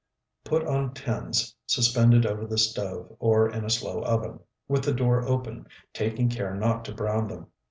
Put on tins suspended over the stove, or in a slow oven, with the door open, taking care not to brown them.